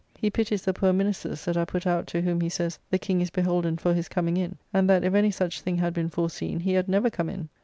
He pities the poor ministers that are put out, to whom, he says, the King is beholden for his coming in, and that if any such thing had been foreseen he had never come in.